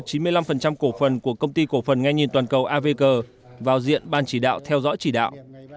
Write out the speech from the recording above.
chín mươi năm cổ phần của công ty cổ phần nghe nhìn toàn cầu avg vào diện ban chỉ đạo theo dõi chỉ đạo